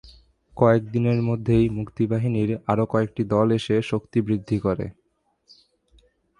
কয়েক দিনের মধ্যেই মুক্তিবাহিনীর আরও কয়েকটি দল এসে শক্তি বৃদ্ধি করে।